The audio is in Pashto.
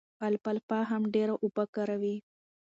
الفالفا هم ډېره اوبه کاروي.